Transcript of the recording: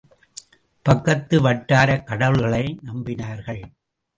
பக்கத்து வட்டாரக் கடவுள்களை நம்பினார்கள்.